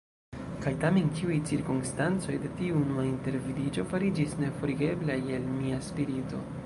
Kaj tamen ĉiuj cirkonstancoj de tiu unua intervidiĝo fariĝis neforigeblaj el mia spirito.